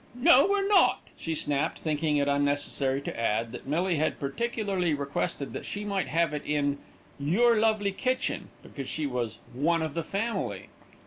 "No, we're not," she snapped, thinking it unnecessary to add that Millie had particularly requested that she might have it "in your lovely kitchen," because she was "one of the family."